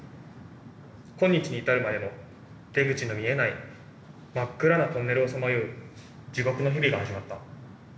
今日に至るまでの出口の見えない真っ暗なトンネルをさまよう地獄の日々が始まった。